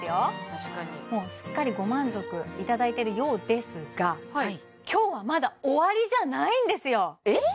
確かにもうすっかりご満足いただいてるようですが今日はまだ終わりじゃないんですよえ？